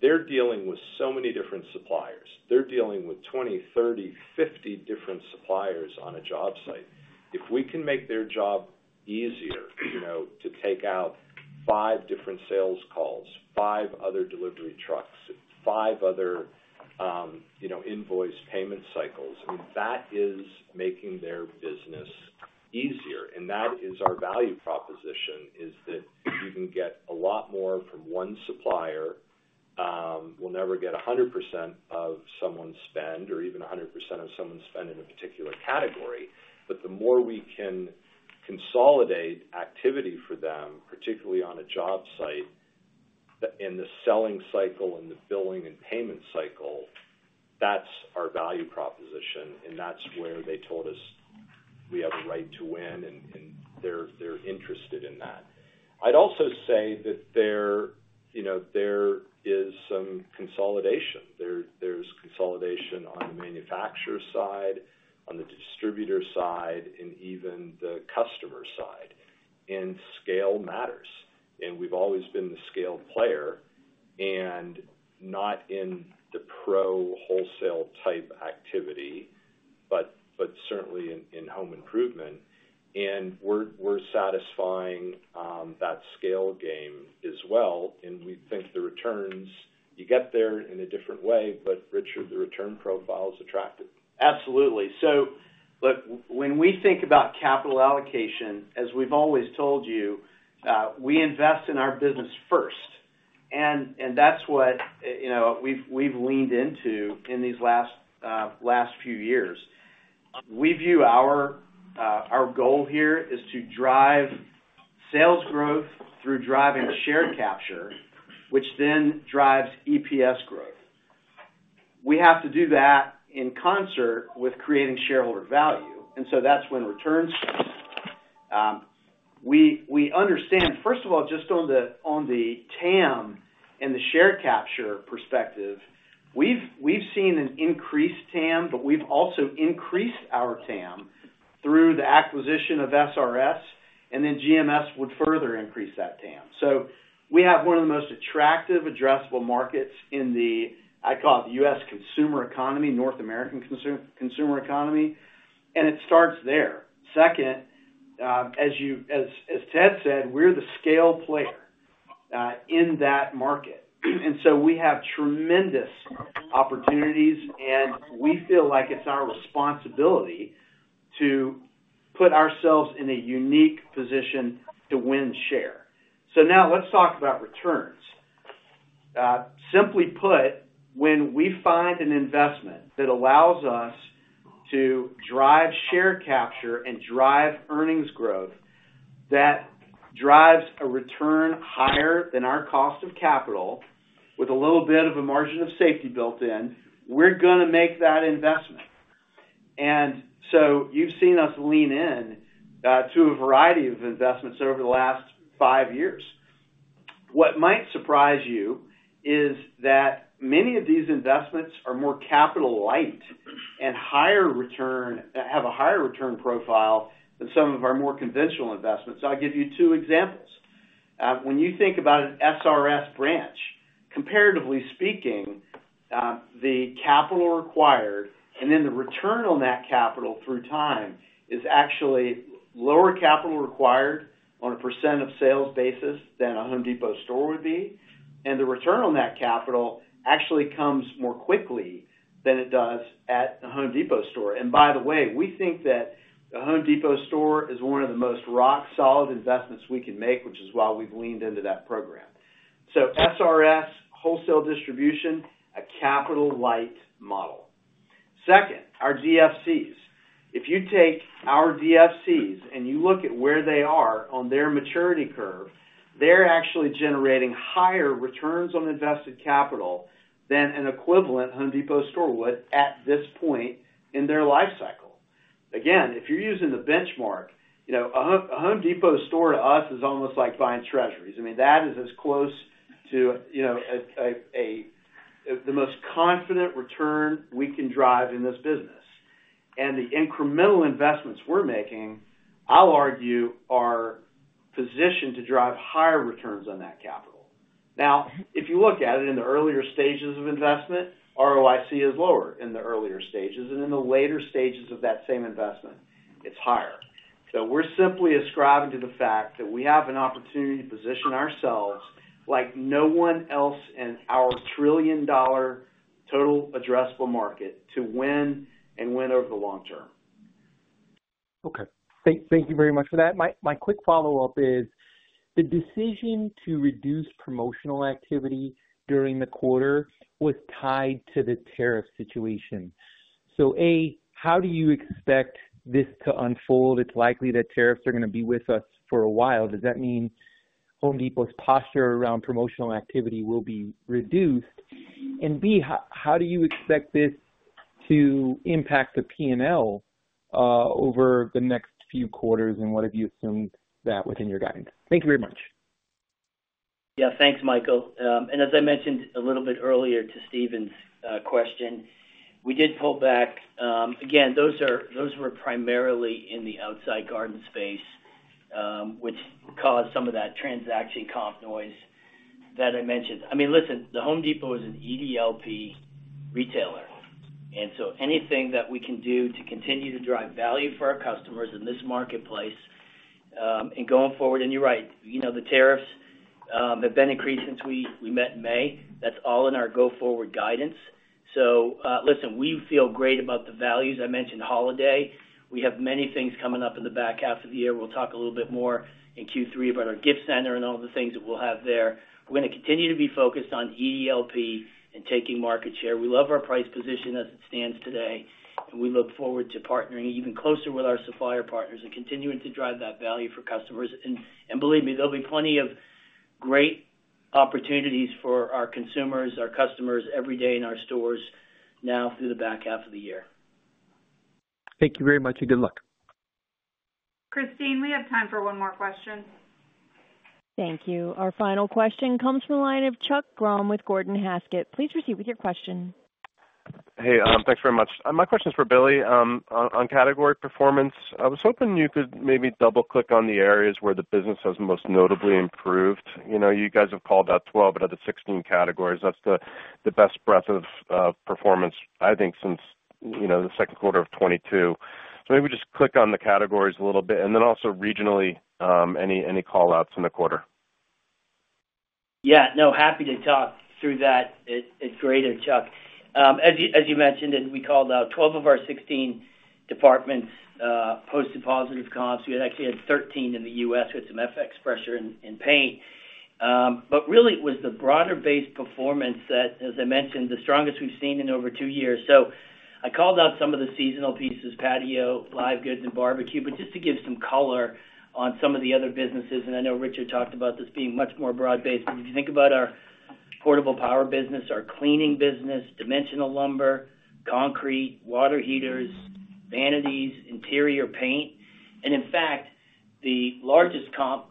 they're dealing with so many different suppliers. They're dealing with 20, 30, 50 different suppliers on a job site. If we can make their job easier, to take out five different sales calls, five other delivery trucks, five other invoice payment cycles, that is making their business easier. That is our value proposition, that you can get a lot more from one supplier. We'll never get 100% of someone's spend or even 100% of someone's spend in a particular category. The more we can consolidate activity for them, particularly on a job site, in the selling cycle, in the billing and payment cycle, that's our value proposition. That's where they told us we have a right to win, and they're interested in that. I'd also say that there is some consolidation. There's consolidation on the manufacturer's side, on the distributor's side, and even the customer's side. Scale matters. We've always been the scale player, not in the pro wholesale type activity, but certainly in home improvement. We're satisfying that scale game as well. We think the returns, you get there in a different way, but Richard, the return profile is attractive. Absolutely. When we think about capital allocation, as we've always told you, we invest in our business first. That's what we've leaned into in these last few years. We view our goal here is to drive sales growth through driving share capture, which then drives EPS growth. We have to do that in concert with creating shareholder value. That's when returns. We understand, first of all, just on the TAM and the share capture perspective, we've seen an increased TAM, but we've also increased our TAM through the acquisition of SRS Distribution, and then GMS, Inc. would further increase that TAM. We have one of the most attractive, addressable markets in the, I call it the U.S. consumer economy, North American consumer economy, and it starts there. Second, as Ted Decker said, we're the scale player in that market. We have tremendous opportunities, and we feel like it's our responsibility to put ourselves in a unique position to win share. Now let's talk about returns. Simply put, when we find an investment that allows us to drive share capture and drive earnings growth that drives a return higher than our cost of capital with a little bit of a margin of safety built in, we're going to make that investment. You've seen us lean in to a variety of investments over the last five years. What might surprise you is that many of these investments are more capital-light and have a higher return profile than some of our more conventional investments. I'll give you two examples. When you think about an SRS Distribution branch, comparatively speaking, the capital required and then the return on that capital through time is actually lower capital required on a percentage of sales basis than a Home Depot store would be. The return on that capital actually comes more quickly than it does at a Home Depot store. By the way, we think that the Home Depot store is one of the most rock-solid investments we can make, which is why we've leaned into that program. SRS Distribution wholesale distribution, a capital-light model. Second, our DFCs. If you take our DFCs and you look at where they are on their maturity curve, they're actually generating higher returns on invested capital than an equivalent Home Depot store would at this point in their lifecycle. Again, if you're using the benchmark, a Home Depot store to us is almost like buying treasuries. That is as close to the most confident return we can drive in this business. The incremental investments we're making, I'll argue, are positioned to drive higher returns on that capital. If you look at it in the earlier stages of investment, ROIC is lower in the earlier stages, and in the later stages of that same investment, it's higher. We're simply ascribing to the fact that we have an opportunity to position ourselves like no one else in our trillion-dollar total addressable market to win and win over the long term. Thank you very much for that. My quick follow-up is the decision to reduce promotional activity during the quarter was tied to the tariff situation. How do you expect this to unfold? It's likely that tariffs are going to be with us for a while. Does that mean The Home Depot's posture around promotional activity will be reduced? How do you expect this to impact the P&L over the next few quarters? What have you assumed within your guidance? Thank you very much. Yeah, thanks, Michael. As I mentioned a little bit earlier to Steven's question, we did pull back. Those were primarily in the outside garden space, which caused some of that transaction comp noise that I mentioned. I mean, listen, The Home Depot is an EDLP retailer. Anything that we can do to continue to drive value for our customers in this marketplace and going forward, and you're right, you know, the tariffs have been increased since we met in May. That's all in our go-forward guidance. We feel great about the values. I mentioned holiday. We have many things coming up in the back half of the year. We'll talk a little bit more in Q3 about our gift center and all the things that we'll have there. We're going to continue to be focused on the EDLP and taking market share. We love our price position as it stands today. We look forward to partnering even closer with our supplier partners and continuing to drive that value for customers. Believe me, there'll be plenty of great opportunities for our consumers, our customers every day in our stores now through the back half of the year. Thank you very much, and good luck. Christine, we have time for one more question. Thank you. Our final question comes from a line of Chuck Grom with Gordon Haskett. Please proceed with your question. Hey, thanks very much. My question is for Billy on category performance. I was hoping you could maybe double-click on the areas where the business has most notably improved. You know, you guys have called out 12, but out of the 16 categories, that's the best breadth of performance, I think, since the second quarter of 2022. Maybe just click on the categories a little bit, and then also regionally, any callouts in the quarter. Yeah, no, happy to talk through that. It's great, Chuck. As you mentioned, and we called out, 12 of our 16 departments posted positive comps. We actually had 13 in the U.S. with some FX pressure in paint. It was the broader-based performance that, as I mentioned, is the strongest we've seen in over two years. I called out some of the seasonal pieces, patio, live goods, and barbecue, just to give some color on some of the other businesses. I know Richard talked about this being much more broad-based. If you think about our portable power business, our cleaning business, dimensional lumber, concrete, water heaters, vanities, interior paint, in fact, the largest comp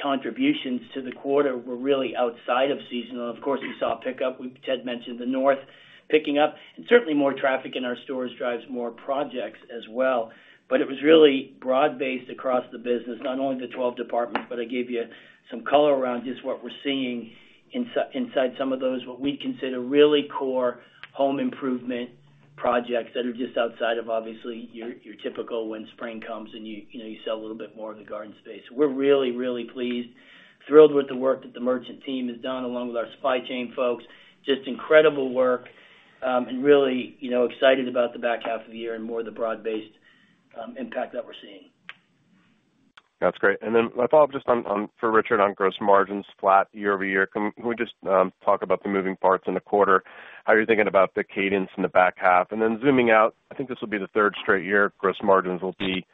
contributions to the quarter were really outside of seasonal. Of course, we saw a pickup, Ted mentioned the north picking up, and certainly more traffic in our stores drives more projects as well. It was really broad-based across the business, not only the 12 departments, but I gave you some color around just what we're seeing inside some of those, what we'd consider really core home improvement projects that are just outside of obviously your typical when spring comes and you sell a little bit more in the garden space. We're really, really pleased, thrilled with the work that the merchant team has done along with our supply chain folks, just incredible work, and really excited about the back half of the year and more of the broad-based impact that we're seeing. That's great. My follow-up just on for Richard on gross margins flat year-over-year. Can we just talk about the moving parts in the quarter? How are you thinking about the cadence in the back half? Zooming out, I think this will be the third straight year gross margins will be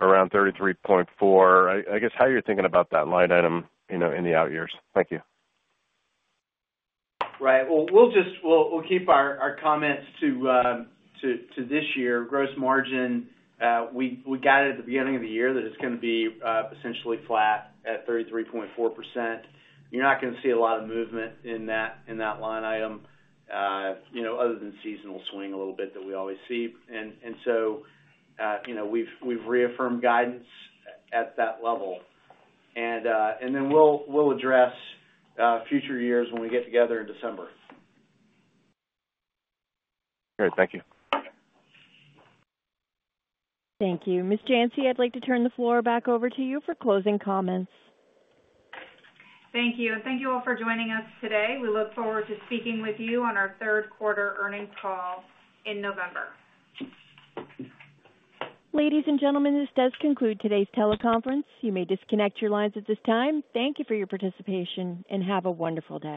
around 33.4%. I guess how are you thinking about that line item, you know, in the out years? Thank you. Right. We'll keep our comments to this year. Gross margin, we got it at the beginning of the year that it's going to be essentially flat at 33.4%. You're not going to see a lot of movement in that line item, other than seasonal swing a little bit that we always see. We've reaffirmed guidance at that level, and then we'll address future years when we get together in December. Great. Thank you. Thank you. Ms. Janci, I'd like to turn the floor back over to you for closing comments. Thank you. Thank you all for joining us today. We look forward to speaking with you on our third quarter earnings call in November. Ladies and gentlemen, this does conclude today's teleconference. You may disconnect your lines at this time. Thank you for your participation and have a wonderful day.